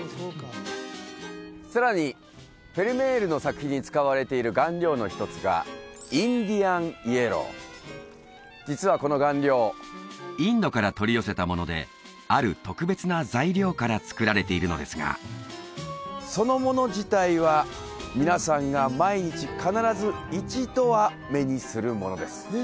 さらにフェルメールの作品に使われている顔料の一つが実はこの顔料インドから取り寄せたものである特別な材料から作られているのですがそのもの自体は皆さんが毎日必ず一度は目にするものです